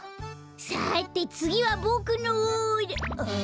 さてつぎはボクのあ？